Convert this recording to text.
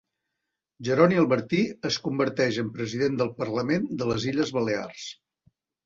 Jeroni Albertí es converteix en President del Parlament de les Illes Balears.